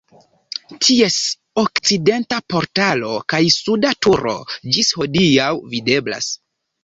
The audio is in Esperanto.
Ties okcidenta portalo kaj suda turo ĝis hodiaŭ videblas.